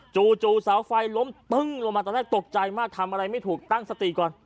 จู่เสาไฟล้มตึ้งลงมาตอนแรกตกใจมากทำอะไรไม่ถูกตั้งสติก่อน